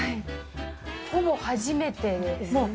ほぼ初めてです。